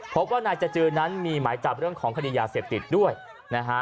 พบว่านายจจือนั้นมีหมายจับเรื่องของคดียาเสพติดด้วยนะฮะ